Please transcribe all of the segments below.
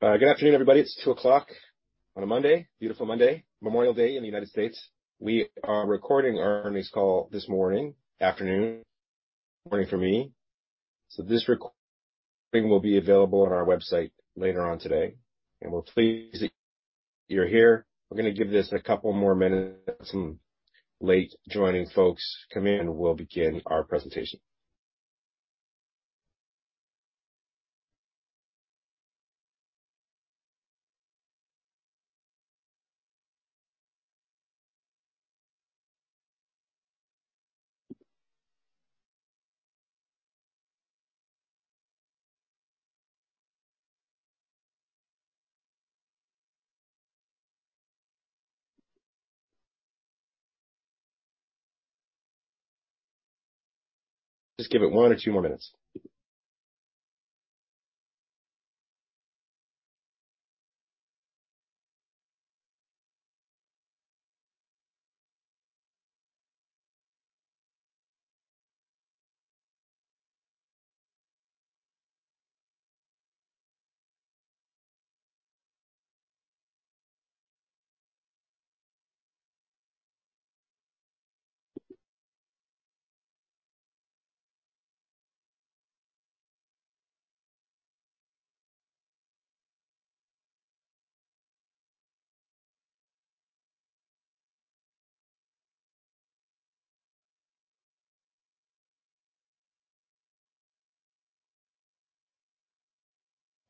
Good afternoon, everybody. It's 2:00 P.M. on a Monday, beautiful Monday, Memorial Day in the United States. We are recording our earnings call this morning, afternoon, morning for me. This recording will be available on our website later on today, and we're pleased that you're here. We're gonna give this a couple more minutes, let some late joining folks come in, and we'll begin our presentation. Just give it one or two more minutes.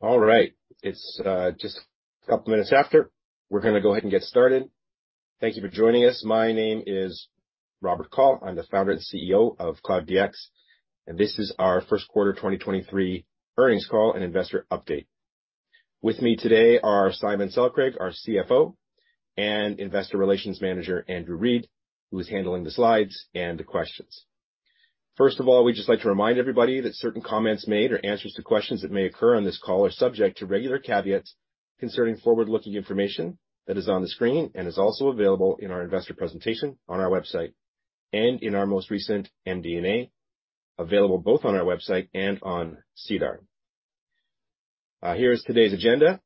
All right. It's just a couple minutes after. We're gonna go ahead and get started. Thank you for joining us. My name is Robert Kaul. I'm the Founder and CEO of Cloud DX, and this is our first quarter 2023 earnings call and investor update. With me today are Simon Selkrig, our CFO, and Investor Relations Manager, Andrew Reed, who is handling the slides and the questions. First of all, we'd just like to remind everybody that certain comments made or answers to questions that may occur on this call are subject to regular caveats concerning forward-looking information that is on the screen, and is also available in our investor presentation on our website, and in our most recent MD&A, available both on our website and on SEDAR. Here is today's agenda.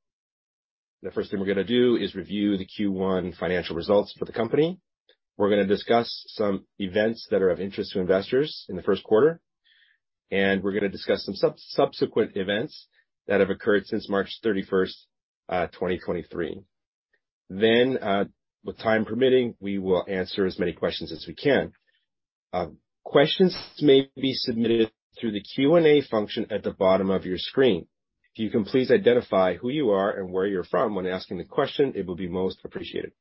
The first thing we're gonna do is review the Q1 financial results for the company. We're gonna discuss some events that are of interest to investors in the first quarter, and we're gonna discuss some subsequent events that have occurred since 31 March 2023. With time permitting, we will answer as many questions as we can. Questions may be submitted through the Q&A function at the bottom of your screen. If you can please identify who you are and where you're from when asking the question, it will be most appreciated.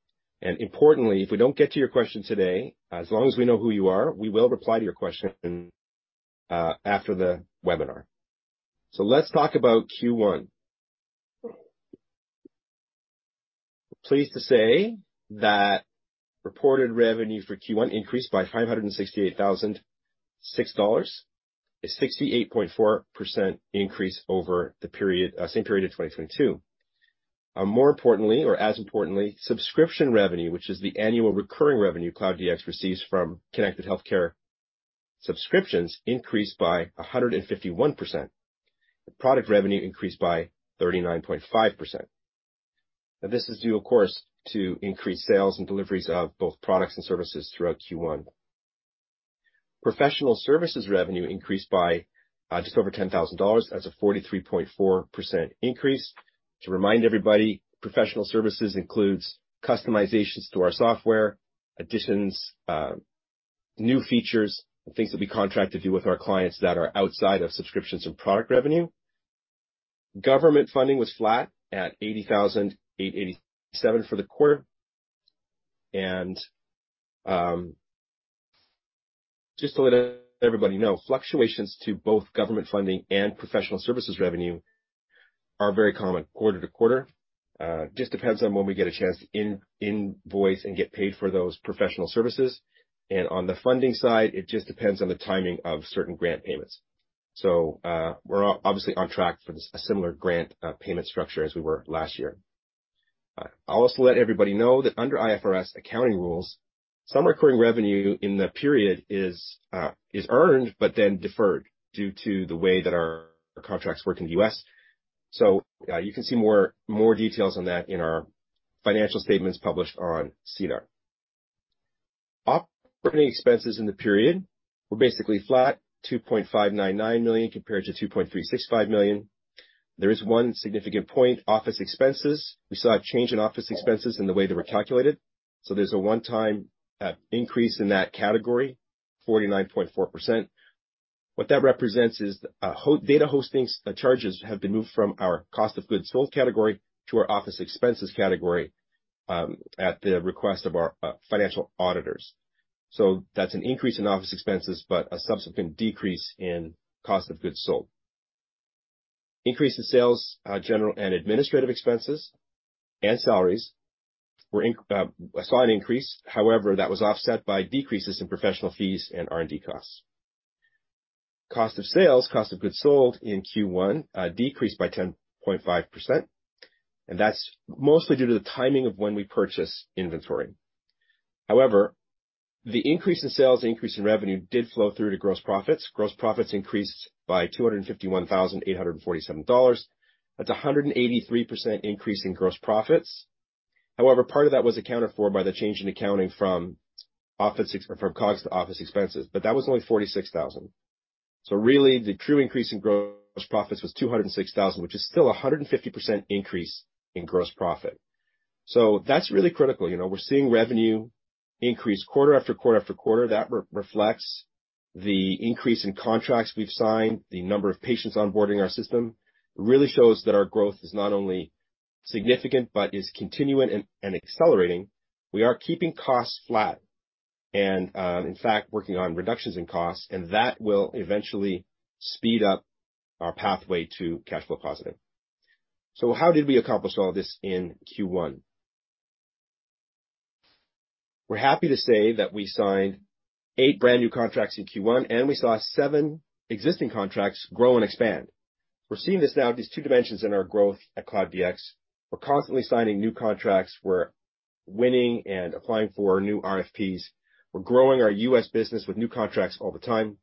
Importantly, if we don't get to your question today, as long as we know who you are, we will reply to your question after the webinar. Let's talk about Q1. Pleased to say that reported revenue for Q1 increased by 568,006 dollars, a 68.4% increase over the period, same period of 2022. More importantly, or as importantly, subscription revenue, which is the annual recurring revenue Cloud DX receives from Connected Health subscriptions, increased by 151%. The product revenue increased by 39.5%. This is due, of course, to increased sales and deliveries of both products and services throughout Q1. Professional services revenue increased by just over 10,000 dollars. That's a 43.4% increase. To remind everybody, professional services includes customizations to our software, additions, new features, and things that we contract to do with our clients that are outside of subscriptions and product revenue. Government funding was flat at 80,887 for the quarter. Just to let everybody know, fluctuations to both government funding and professional services revenue are very common quarter-to-quarter. Just depends on when we get a chance to invoice and get paid for those professional services. On the funding side, it just depends on the timing of certain grant payments. We're obviously on track for this, a similar grant payment structure as we were last year. I'll also let everybody know that under IFRS accounting rules, some recurring revenue in the period is earned, but then deferred due to the way that our contracts work in the U.S. You can see more details on that in our financial statements published on SEDAR. Operating expenses in the period were basically flat, 2.599 million, compared to 2.365 million. There is one significant point, office expenses. We saw a change in office expenses in the way they were calculated, so there's a one-time increase in that category, 49.4%. What that represents is data hosting charges have been moved from our cost of goods sold category to our office expenses category, at the request of our financial auditors. That's an increase in office expenses, but a subsequent decrease in cost of goods sold. Increase in sales, general and administrative expenses and salaries were a slight increase, however, that was offset by decreases in professional fees and R&D costs. Cost of sales, cost of goods sold in Q1 decreased by 10.5%, and that's mostly due to the timing of when we purchase inventory. The increase in sales, the increase in revenue did flow through to gross profits. Gross profits increased by 251,847 dollars. That's a 183% increase in gross profits. Part of that was accounted for by the change in accounting from COGS to office expenses, but that was only 46,000. Really, the true increase in gross profits was 206,000, which is still a 150% increase in gross profit. That's really critical. You know, we're seeing revenue increase quarter after quarter after quarter. That reflects the increase in contracts we've signed. The number of patients onboarding our system. It really shows that our growth is not only significant, but is continuing and accelerating. We are keeping costs flat and, in fact, working on reductions in costs, and that will eventually speed up our pathway to cash flow positive. How did we accomplish all this in Q1? We're happy to say that we signed 8 brand new contracts in Q1, and we saw 7 existing contracts grow and expand. We're seeing this now, these two dimensions in our growth at Cloud DX. We're constantly signing new contracts. We're winning and applying for new RFPs. We're growing our U.S. business with new contracts all the time.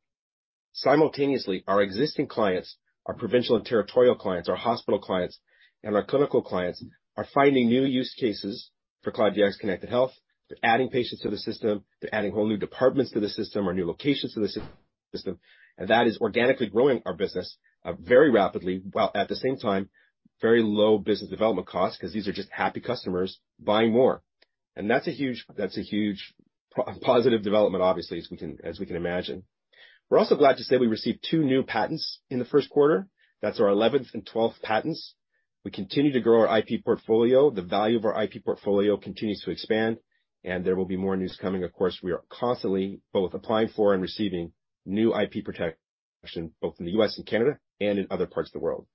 Simultaneously, our existing clients, our provincial and territorial clients, our hospital clients, and our clinical clients are finding new use cases for Cloud DX Connected Health. They're adding patients to the system. They're adding whole new departments to the system or new locations to the system. That is organically growing our business very rapidly, while at the same time, very low business development costs, 'cause these are just happy customers buying more. That's a huge positive development, obviously, as we can, as we can imagine. We're also glad to say we received two new patents in the first quarter. That's our eleventh and twelfth patents. We continue to grow our IP portfolio. The value of our IP portfolio continues to expand, and there will be more news coming. Of course, we are constantly both applying for and receiving new IP protection, both in the U.S. and Canada and in other parts of the world.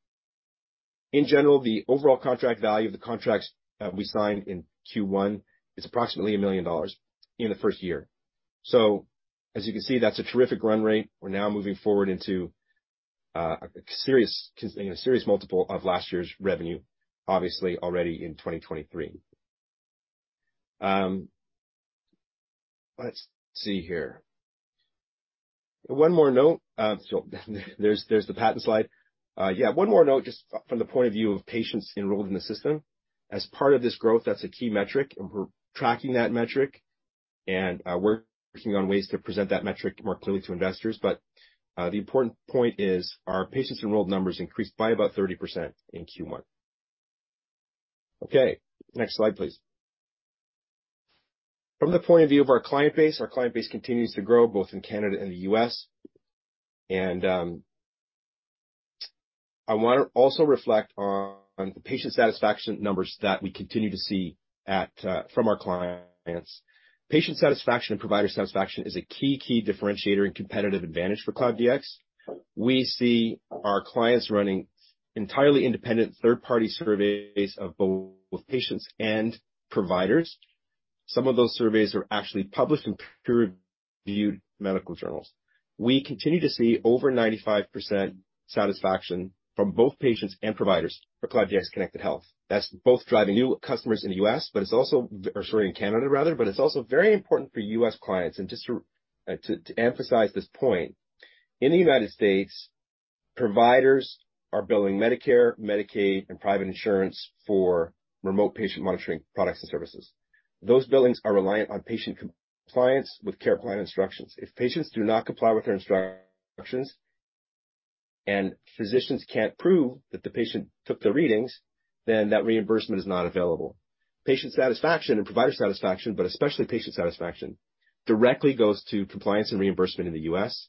In general, the overall contract value of the contracts that we signed in Q1 is approximately 1 million dollars in the first year. As you can see, that's a terrific run rate. We're now moving forward into a serious multiple of last year's revenue, obviously already in 2023. Let's see here. One more note. There's the patent slide. Yeah, one more note, just from the point of view of patients enrolled in the system. As part of this growth, that's a key metric, and we're tracking that metric, and we're working on ways to present that metric more clearly to investors. The important point is our patients enrolled numbers increased by about 30% in Q1. Okay, next slide, please. From the point of view of our client base, our client base continues to grow both in Canada and the U.S.. I wanna also reflect on the patient satisfaction numbers that we continue to see at from our clients. Patient satisfaction and provider satisfaction is a key differentiator and competitive advantage for Cloud DX. We see our clients running entirely independent third-party surveys of both patients and providers. Some of those surveys are actually published in peer-reviewed medical journals. We continue to see over 95% satisfaction from both patients and providers for Cloud DX Connected Health. That's both driving new customers in the U.S., but it's also in Canada rather, but it's also very important for U.S. clients. Just to emphasize this point, in the United States, providers are billing Medicare, Medicaid, and private insurance for remote patient monitoring products and services. Those billings are reliant on patient compliance with care plan instructions. If patients do not comply with their instructions, and physicians can't prove that the patient took the readings, then that reimbursement is not available. Patient satisfaction and provider satisfaction, but especially patient satisfaction, directly goes to compliance and reimbursement in the U.S.,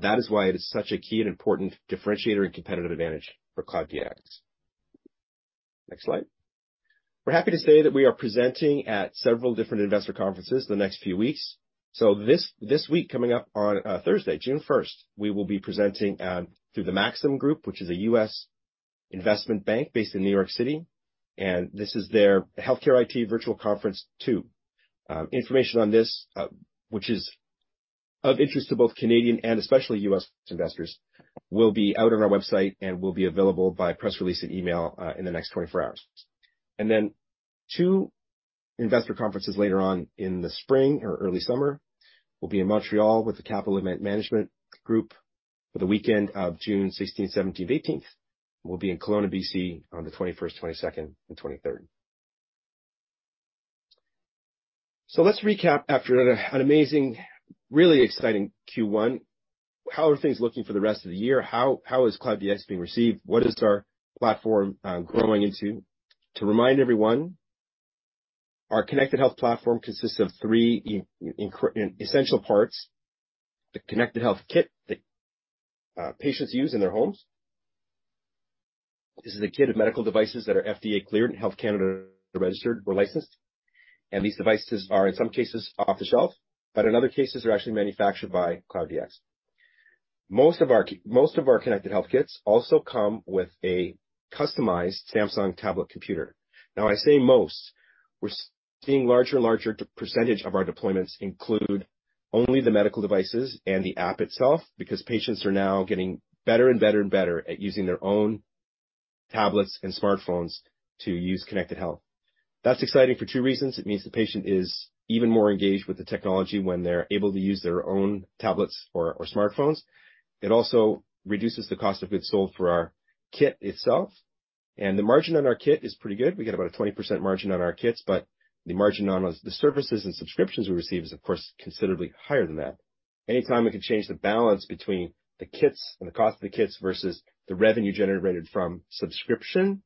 that is why it is such a key and important differentiator and competitive advantage for Cloud DX. Next slide. We're happy to say that we are presenting at several different investor conferences in the next few weeks. This week, coming up on Thursday, 1 June we will be presenting through the Maxim Group, which is a U.S. investment bank based in New York City, and this is their healthcare IT virtual conference two. Information on this, which is of interest to both Canadian and especially U.S. investors, will be out on our website and will be available by press release and email in the next 24 hours. Two investor conferences later on in the spring or early summer, will be in Montreal with the Capital Event Management for the weekend of June 16th, 17th, and 18th, and we'll be in Kelowna, B.C., on the 21st, 22nd, and 23rd. Let's recap after an amazing, really exciting Q1. How are things looking for the rest of the year? How is Cloud DX being received? What is our platform growing into? To remind everyone, our Connected Health platform consists of three essential parts: the Connected Health kit that patients use in their homes. This is a kit of medical devices that are FDA cleared and Health Canada registered or licensed, and these devices are, in some cases, off the shelf, but in other cases, are actually manufactured by Cloud DX. Most of our Connected Health kits also come with a customized Samsung tablet computer. I say most. We're seeing larger and larger percentage of our deployments include only the medical devices and the app itself, because patients are now getting better and better at using their own tablets and smartphones to use Connected Health. That's exciting for two reasons. It means the patient is even more engaged with the technology when they're able to use their own tablets or smartphones. It also reduces the cost of goods sold for our kit itself, and the margin on our kit is pretty good. We get about a 20% margin on our kits, but the margin on the services and subscriptions we receive is, of course, considerably higher than that. Anytime we can change the balance between the kits and the cost of the kits versus the revenue generated from subscription,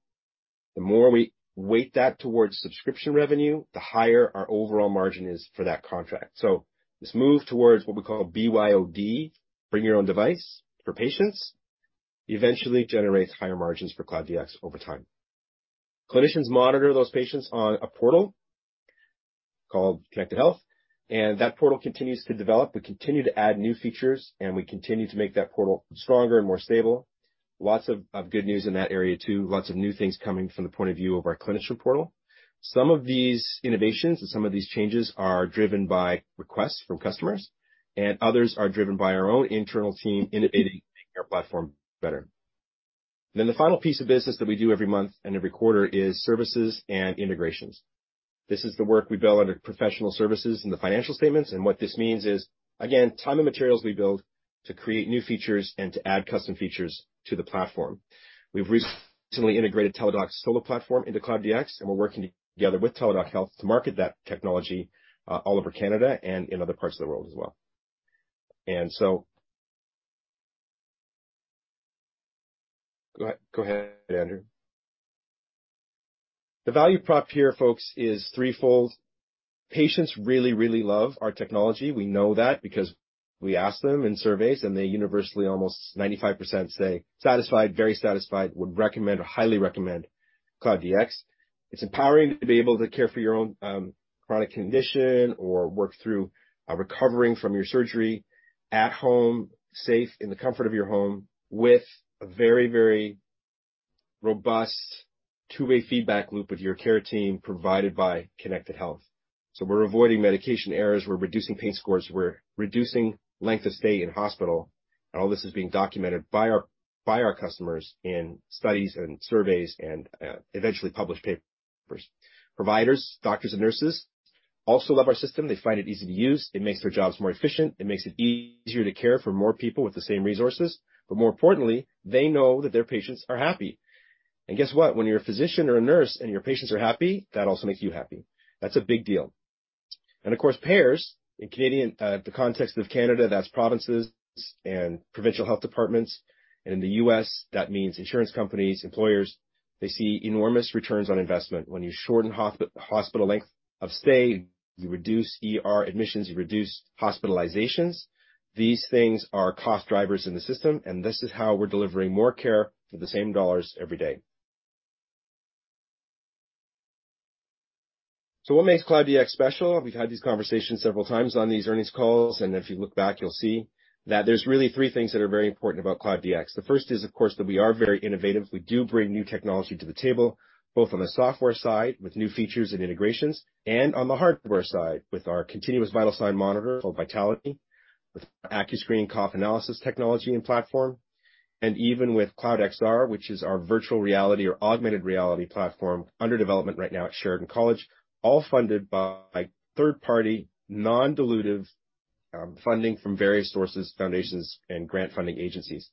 the more we weight that towards subscription revenue, the higher our overall margin is for that contract. This move towards what we call BYOD, bring your own device, for patients, eventually generates higher margins for Cloud DX over time. Clinicians monitor those patients on a portal called Connected Health, and that portal continues to develop. We continue to add new features, we continue to make that portal stronger and more stable. Lots of good news in that area, too. Lots of new things coming from the point of view of our clinician portal. Some of these innovations and some of these changes are driven by requests from customers, and others are driven by our own internal team innovating, making our platform better. The final piece of business that we do every month and every quarter is services and integrations. This is the work we build under professional services and the financial statements. What this means is, again, time and materials we build to create new features and to add custom features to the platform. We've recently integrated Teladoc's Solo Platform into Cloud DX. We're working together with Teladoc Health to market that technology all over Canada and in other parts of the world as well. Go ahead, Andrew. The value prop here, folks, is threefold. Patients really love our technology. We know that because we ask them in surveys. They universally, almost 95%, say, "Satisfied, very satisfied, would recommend or highly recommend Cloud DX." It's empowering to be able to care for your own chronic condition or work through recovering from your surgery at home, safe in the comfort of your home, with a very robust two-way feedback loop with your care team, provided by Connected Health. We're avoiding medication errors, we're reducing pain scores, we're reducing length of stay in hospital, and all this is being documented by our customers in studies and surveys and eventually, published papers. Providers, doctors and nurses also love our system. They find it easy to use. It makes their jobs more efficient. It makes it easier to care for more people with the same resources, but more importantly, they know that their patients are happy. Guess what? When you're a physician or a nurse and your patients are happy, that also makes you happy. That's a big deal. Of course, payers in Canadian, the context of Canada, that's provinces and provincial health departments, and in the U.S., that means insurance companies, employers, they see enormous returns on investment. When you shorten hospital length of stay, you reduce ER admissions, you reduce hospitalizations. These things are cost drivers in the system, and this is how we're delivering more care for the same dollars every day. What makes Cloud DX special? We've had these conversations several times on these earnings calls, and if you look back, you'll see that there's really three things that are very important about Cloud DX. The first is, of course, that we are very innovative. We do bring new technology to the table, both on the software side, with new features and integrations, and on the hardware side, with our continuous vital sign monitor called Vitaliti, with AcuScreen™ cough analysis technology and platform. And even with Cloud XR, which is our virtual reality or augmented reality platform under development right now at Sheridan College, all funded by third-party, non-dilutive funding from various sources, foundations, and grant funding agencies.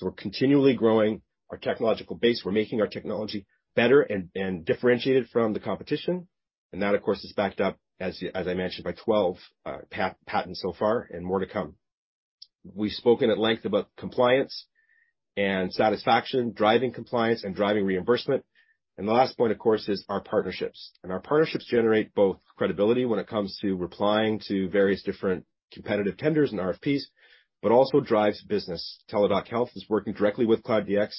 We're continually growing our technological base. We're making our technology better and differentiated from the competition. That, of course, is backed up as I mentioned, by 12 patents so far, and more to come. We've spoken at length about compliance and satisfaction, driving compliance and driving reimbursement. The last point, of course, is our partnerships. Our partnerships generate both credibility when it comes to replying to various different competitive tenders and RFPs, but also drives business. Teladoc Health is working directly with Cloud DX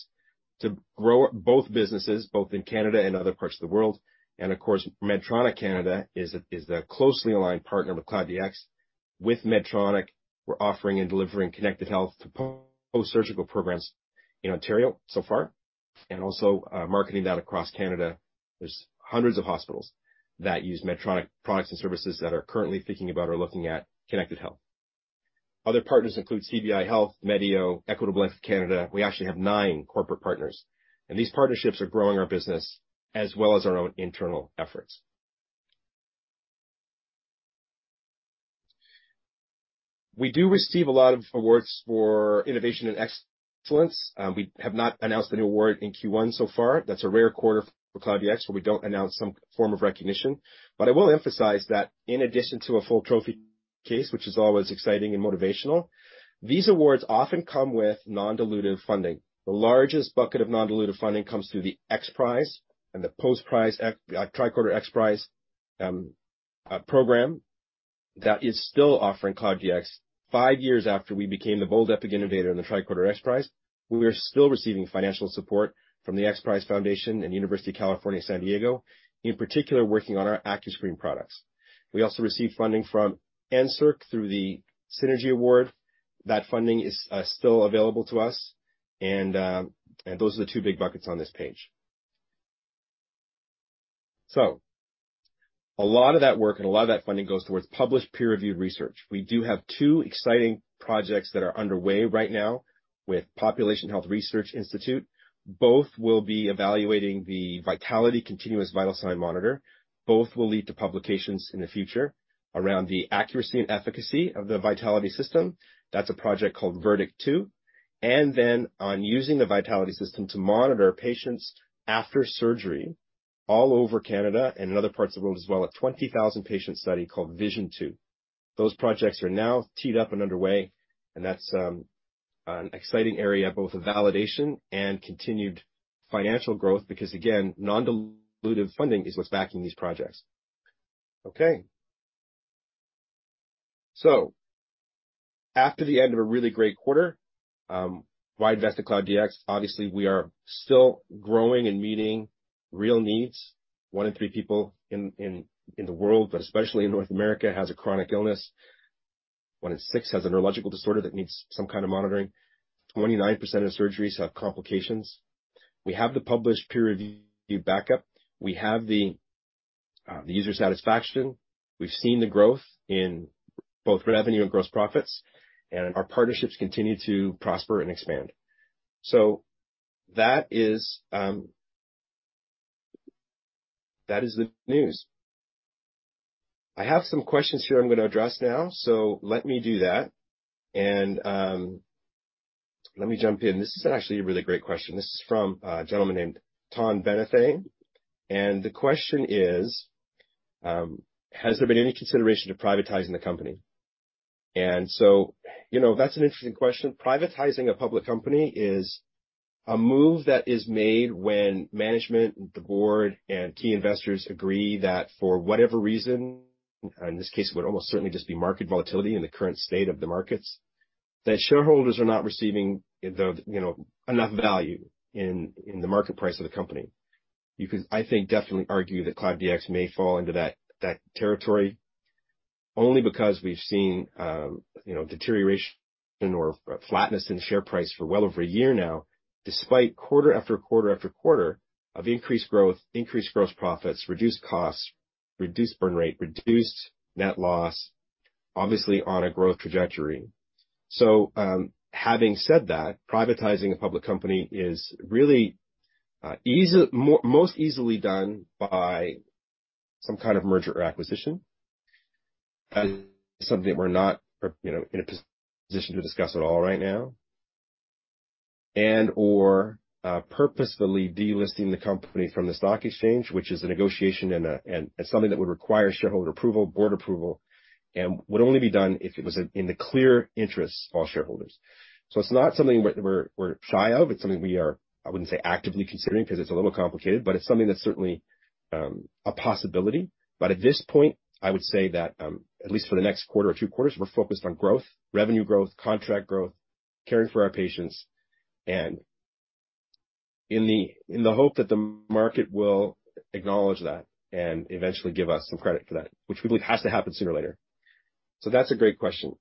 to grow both businesses, both in Canada and other parts of the world. Of course, Medtronic Canada is a closely aligned partner with Cloud DX. With Medtronic, we're offering and delivering Connected Health to post-surgical programs in Ontario so far, and also marketing that across Canada. There's hundreds of hospitals that use Medtronic products and services that are currently thinking about or looking at Connected Health. Other partners include CBI Health, Medeo, Equitable Life Canada. We actually have 9 corporate partners, and these partnerships are growing our business as well as our own internal efforts. We do receive a lot of awards for innovation and excellence. We have not announced any award in Q1 so far. That's a rare quarter for Cloud DX, where we don't announce some form of recognition. I will emphasize that in addition to a full trophy case, which is always exciting and motivational, these awards often come with non-dilutive funding. The largest bucket of non-dilutive funding comes through the XPRIZE and the post-prize, Tricorder XPRIZE program, that is still offering Cloud DX. Five years after we became the bold epic innovator in the Qualcomm Tricorder XPRIZE, we are still receiving financial support from the XPRIZE Foundation and University of California, San Diego, in particular, working on our AcuScreen™ products. We also received funding from NSERC through the Synergy Award. That funding is still available to us, and those are the two big buckets on this page. A lot of that work and a lot of that funding goes towards published peer-reviewed research. We do have two exciting projects that are underway right now with Population Health Research Institute. Both will be evaluating the Vitaliti continuous vital sign monitor. Both will lead to publications in the future around the accuracy and efficacy of the Vitaliti system. That's a project called VERDICT 2, and then on using the Vitaliti system to monitor patients after surgery all over Canada and in other parts of the world as well, a 20,000 patient study called VISION 2. Those projects are now teed up and underway, and that's an exciting area, both of validation and continued financial growth, because again, non-dilutive funding is what's backing these projects. After the end of a really great quarter, why invest in Cloud DX? Obviously, we are still growing and meeting real needs. One in three people in the world, but especially in North America, has a chronic illness. One in six has a neurological disorder that needs some kind of monitoring. 29% of surgeries have complications. We have the published peer review backup, we have the user satisfaction. We've seen the growth in both revenue and gross profits, and our partnerships continue to prosper and expand. That is the news. I have some questions here I'm going to address now, so let me do that. Let me jump in. This is actually a really great question. This is from a gentleman named Tom Benefit. The question is, "Has there been any consideration to privatizing the company?" You know, that's an interesting question. Privatizing a public company is a move that is made when management, the board, and key investors agree that for whatever reason, in this case, it would almost certainly just be market volatility in the current state of the markets, that shareholders are not receiving the, you know, enough value in the market price of the company. You could, I think, definitely argue that Cloud DX may fall into that territory only because we've seen, you know, deterioration or flatness in share price for well over a year now, despite quarter after quarter after quarter of increased growth, increased gross profits, reduced costs, reduced burn rate, reduced net loss, obviously on a growth trajectory. Having said that, privatizing a public company is really most easily done by some kind of merger or acquisition. Something that we're not, you know, in a position to discuss at all right now. Purposefully delisting the company from the stock exchange, which is a negotiation and something that would require shareholder approval, board approval, and would only be done if it was in the clear interests of all shareholders. It's not something we're shy of. It's something we are, I wouldn't say, actively considering, because it's a little complicated, but it's something that's certainly, a possibility. At this point, I would say that, at least for the next quarter or two quarters, we're focused on growth, revenue growth, contract growth, caring for our patients, and in the hope that the market will acknowledge that and eventually give us some credit for that, which we believe has to happen sooner or later. That's a great question.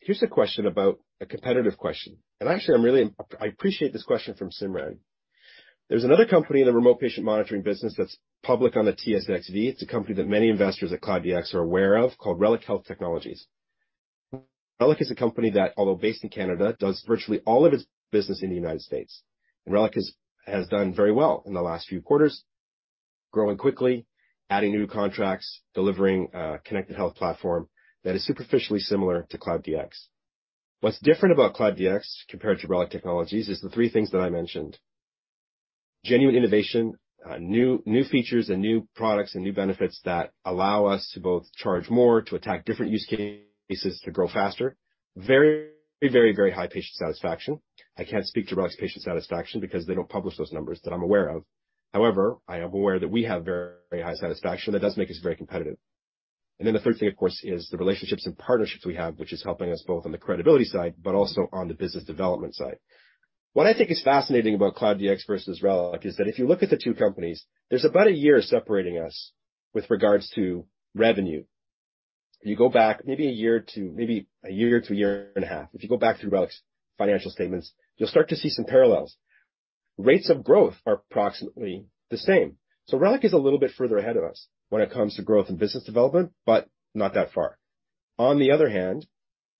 Here's a question about a competitive question, and actually, I appreciate this question from Simran. There's another company in the remote patient monitoring business that's public on the TSXV. It's a company that many investors at Cloud DX are aware of, called Reliq Health Technologies. Reliq is a company that, although based in Canada, does virtually all of its business in the United States. Reliq has done very well in the last few quarters, growing quickly, adding new contracts, delivering a Connected Health platform that is superficially similar to Cloud DX. What's different about Cloud DX compared to Reliq Technologies is the three things that I mentioned. Genuine innovation, new features and new products, and new benefits that allow us to both charge more, to attack different use cases, to grow faster. Very high patient satisfaction. I can't speak to Reliq's patient satisfaction because they don't publish those numbers that I'm aware of. I am aware that we have very high satisfaction. That does make us very competitive. The third thing, of course, is the relationships and partnerships we have, which is helping us both on the credibility side, but also on the business development side. What I think is fascinating about Cloud DX versus Reliq is that if you look at the two companies, there's about a year separating us with regards to revenue. You go back maybe a year or two, maybe a year to a year and a half. If you go back through Reliq's financial statements, you'll start to see some parallels. Rates of growth are approximately the same. Reliq is a little bit further ahead of us when it comes to growth and business development, but not that far. On the other hand,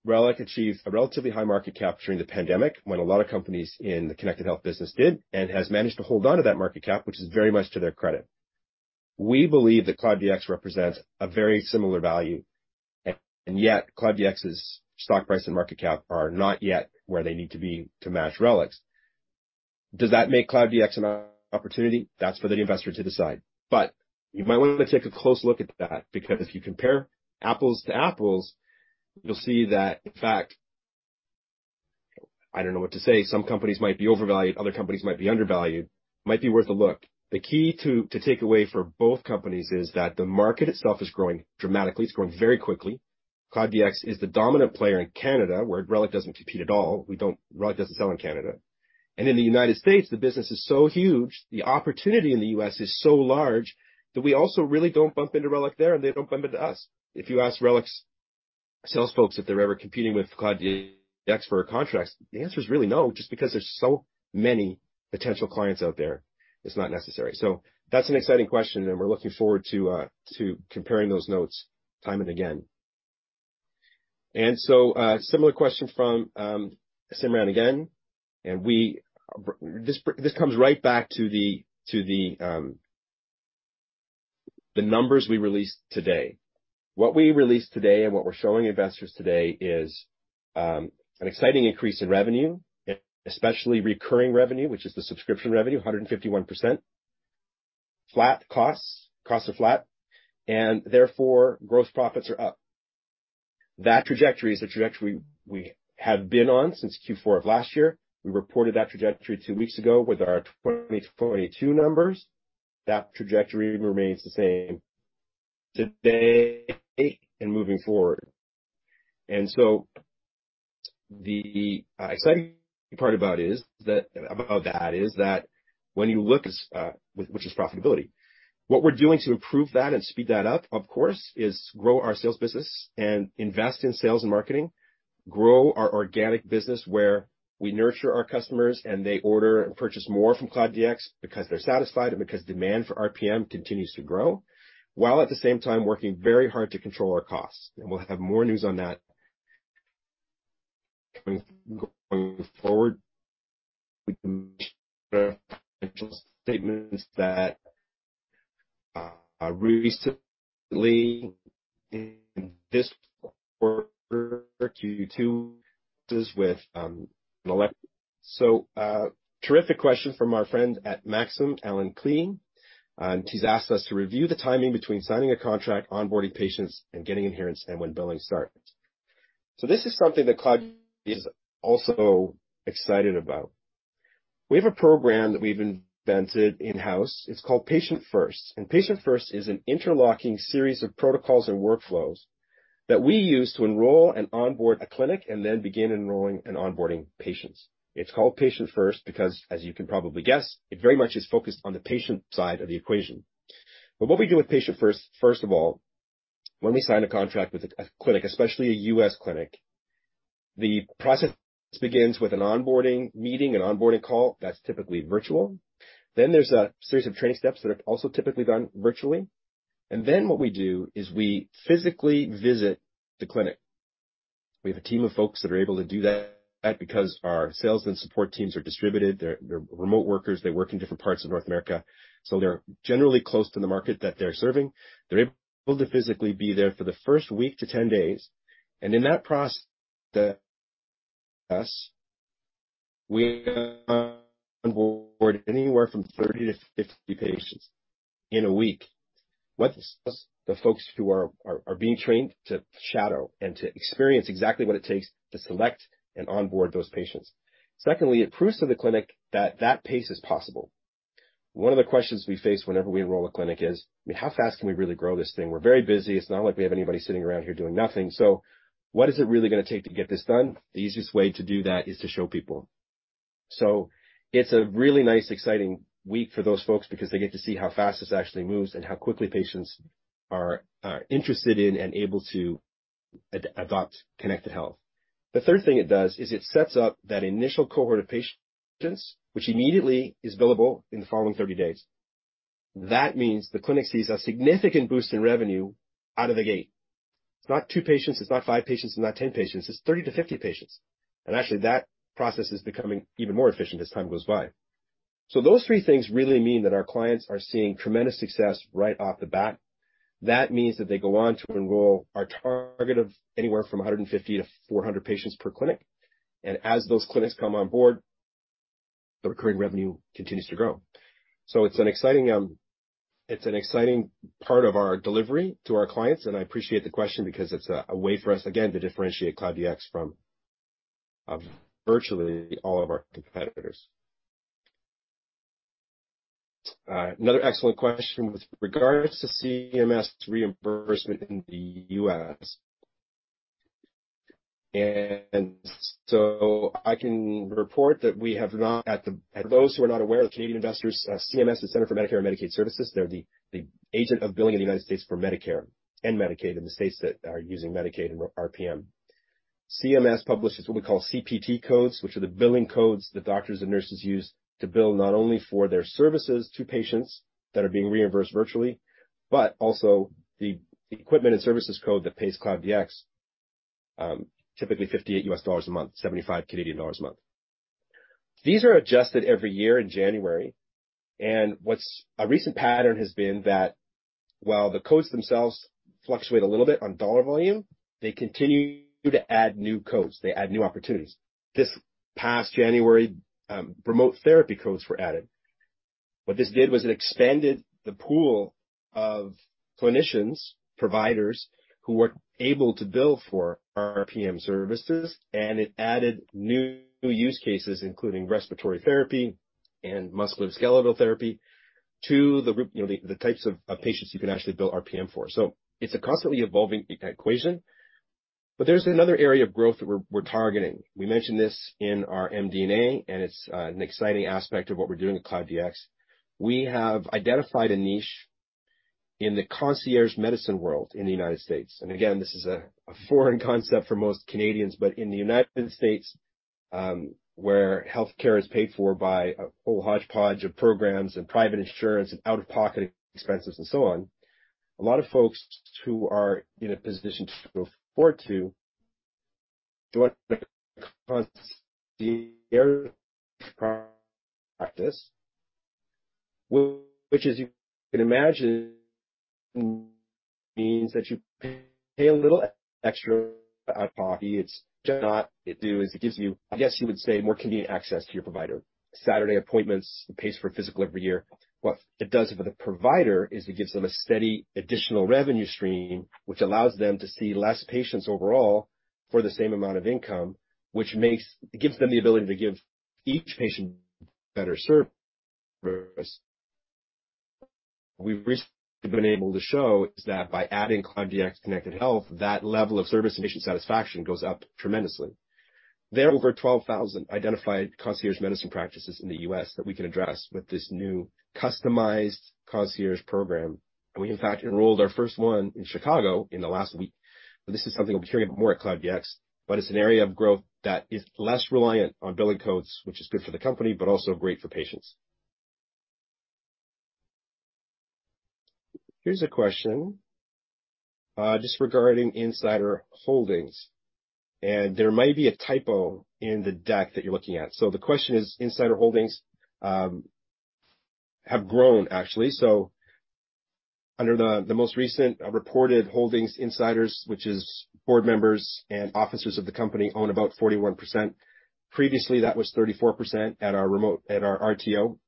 Reliq achieved a relatively high market cap during the pandemic, when a lot of companies in the connected health business did, and has managed to hold on to that market cap, which is very much to their credit. We believe that Cloud DX represents a very similar value, and yet Cloud DX's stock price and market cap are not yet where they need to be to match Reliq's. Does that make Cloud DX an opportunity? That's for the investor to decide. You might want to take a close look at that, because if you compare apples to apples, you'll see that, in fact, I don't know what to say. Some companies might be overvalued, other companies might be undervalued, might be worth a look. The key to take away for both companies is that the market itself is growing dramatically. It's growing very quickly. Cloud DX is the dominant player in Canada, where Reliq doesn't compete at all. Reliq doesn't sell in Canada. In the United States, the business is so huge, the opportunity in the US is so large that we also really don't bump into Reliq there, and they don't bump into us. If you ask Reliq's sales folks, if they're ever competing with Cloud DX for contracts, the answer is really no, just because there's so many potential clients out there, it's not necessary. That's an exciting question, and we're looking forward to comparing those notes time and again. Similar question from Simran again, and this comes right back to the numbers we released today. What we released today and what we're showing investors today is an exciting increase in revenue, especially recurring revenue, which is the subscription revenue, 151%. Flat costs. Costs are flat, and therefore, gross profits are up. That trajectory is the trajectory we have been on since Q4 of last year. We reported that trajectory two weeks ago with our 2022 numbers. That trajectory remains the same today and moving forward. The exciting part about that is that when you look at which is profitability, what we're doing to improve that and speed that up, of course, is grow our sales business and invest in sales and marketing. Grow our organic business, where we nurture our customers, and they order and purchase more from Cloud DX because they're satisfied and because demand for RPM continues to grow, while at the same time working very hard to control our costs. We'll have more news on that going forward with the financial statements that recently in this quarter, Q2. Terrific question from our friend at Maxim, Allen Klee. He's asked us to review the timing between signing a contract, onboarding patients, and getting adherence, and when billing starts. This is something that Cloud is also excited about. We have a program that we've invented in-house. It's called Patient First, and Patient First is an interlocking series of protocols and workflows that we use to enroll and onboard a clinic and then begin enrolling and onboarding patients. It's called Patient First because, as you can probably guess, it very much is focused on the patient side of the equation. What we do with Patient First, first of all, when we sign a contract with a clinic, especially a U.S. clinic, the process begins with an onboarding meeting, an onboarding call that's typically virtual. There's a series of training steps that are also typically done virtually. What we do is we physically visit the clinic. We have a team of folks that are able to do that, because our sales and support teams are distributed. They're remote workers. They work in different parts of North America, so they're generally close to the market that they're serving. They're able to physically be there for the first week to 10 days. In that process, we onboard anywhere from 30 to 50 patients in a week. What this does, the folks who are being trained to shadow and to experience exactly what it takes to select and onboard those patients. Secondly, it proves to the clinic that that pace is possible. One of the questions we face whenever we enroll a clinic is, "How fast can we really grow this thing? We're very busy. It's not like we have anybody sitting around here doing nothing. What is it really going to take to get this done?" The easiest way to do that is to show people. It's a really nice, exciting week for those folks because they get to see how fast this actually moves and how quickly patients are interested in and able to adopt Connected Health. The third thing it does is it sets up that initial cohort of patients, which immediately is billable in the following 30 days. That means the clinic sees a significant boost in revenue out of the gate. It's not two patients, it's not five patients, it's not 10 patients, it's 30-50 patients, and actually, that process is becoming even more efficient as time goes by. Those three things really mean that our clients are seeing tremendous success right off the bat. That means that they go on to enroll our target of anywhere from 150-400 patients per clinic. As those clinics come on board, the recurring revenue continues to grow. It's an exciting, it's an exciting part of our delivery to our clients, and I appreciate the question because it's a way for us, again, to differentiate Cloud DX from virtually all of our competitors. Another excellent question with regards to CMS reimbursement in the U.S. I can report that we have not for those who are not aware of Canadian investors, CMS is the Centers for Medicare & Medicaid Services. They're the agent of billing in the United States for Medicare and Medicaid in the states that are using Medicaid and RPM. CMS publishes what we call CPT codes, which are the billing codes that doctors and nurses use to bill not only for their services to patients that are being reimbursed virtually, but also the equipment and services code that pays Cloud DX, typically $58 a month, 75 Canadian dollars a month. These are adjusted every year in January. A recent pattern has been that while the codes themselves fluctuate a little bit on dollar volume, they continue to add new codes. They add new opportunities. This past January, remote therapy codes were added. What this did was it expanded the pool of clinicians, providers who were able to bill for RPM services, and it added new use cases, including respiratory therapy and musculoskeletal therapy, to the, you know, the types of patients you can actually bill RPM for. It's a constantly evolving equation, but there's another area of growth that we're targeting. We mentioned this in our MD&A, and it's an exciting aspect of what we're doing at Cloud DX. We have identified a niche. In the concierge medicine world in the United States, and again, this is a foreign concept for most Canadians, but in the United States, where healthcare is paid for by a whole hodgepodge of programs and private insurance and out-of-pocket expenses and so on, a lot of folks who are in a position to afford to, join the concierge practice, which, as you can imagine, means that you pay a little extra out of pocket. It's not, is it gives you, I guess you would say, more convenient access to your provider. Saturday appointments, it pays for a physical every year. What it does for the provider is it gives them a steady additional revenue stream, which allows them to see less patients overall for the same amount of income, which gives them the ability to give each patient better service. We've recently been able to show is that by adding Cloud DX Connected Health, that level of service and patient satisfaction goes up tremendously. There are over 12,000 identified concierge medicine practices in the U.S. that we can address with this new customized concierge program. We, in fact, enrolled our first one in Chicago in the last week. This is something we'll be hearing about more at Cloud DX, but it's an area of growth that is less reliant on billing codes, which is good for the company, but also great for patients. Here's a question, just regarding insider holdings, and there might be a typo in the deck that you're looking at. The question is, insider holdings have grown, actually. Under the most recent reported holdings, insiders, which is board members and officers of the company, own about 41%. Previously, that was 34% at our RTO.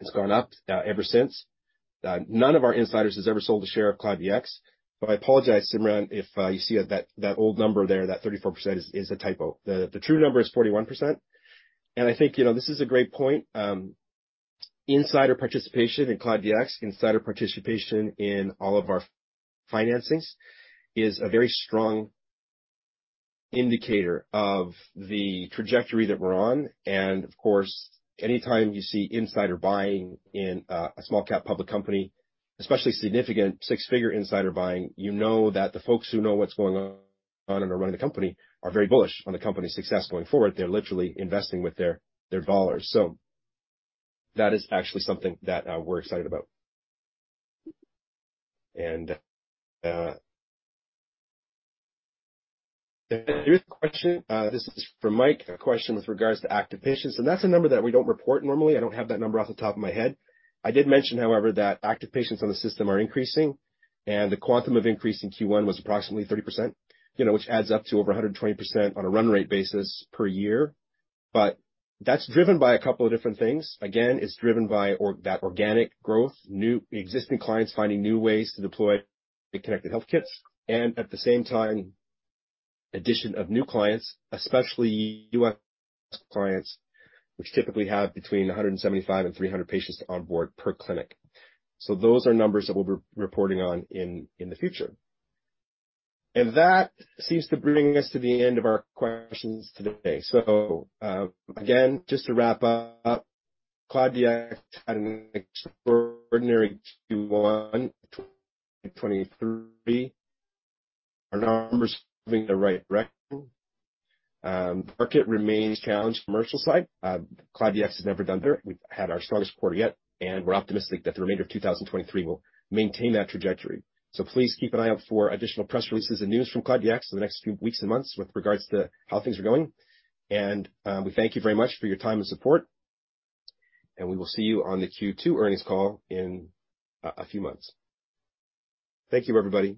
It's gone up ever since. None of our insiders has ever sold a share of Cloud DX. I apologize, Simran, if you see that old number there, that 34% is a typo. The true number is 41%, and I think, you know, this is a great point. Insider participation in Cloud DX, insider participation in all of our financings is a very strong indicator of the trajectory that we're on. Of course, anytime you see insider buying in a small cap public company, especially significant six-figure insider buying, you know that the folks who know what's going on and are running the company are very bullish on the company's success going forward. They're literally investing with their dollars. That is actually something that we're excited about. Here's a question. This is from Mike, a question with regards to active patients, and that's a number that we don't report normally. I don't have that number off the top of my head. I did mention, however, that active patients on the system are increasing, and the quantum of increase in Q1 was approximately 30%, you know, which adds up to over 120% on a run rate basis per year. That's driven by a couple of different things. It's driven by that organic growth, existing clients finding new ways to deploy the Connected Health kits and at the same time, addition of new clients, especially U.S. clients, which typically have between 175 and 300 patients on board per clinic. Those are numbers that we'll be reporting on in the future. That seems to bring us to the end of our questions today. Again, just to wrap up, Cloud DX had an extraordinary Q1 in 2023. Our numbers moving in the right direction. Market remains challenged commercial side. Cloud DX has never done better. We've had our strongest quarter yet, and we're optimistic that the remainder of 2023 will maintain that trajectory. Please keep an eye out for additional press releases and news from Cloud DX in the next few weeks and months with regards to how things are going. We thank you very much for your time and support, and we will see you on the Q2 earnings call in a few months. Thank you, everybody.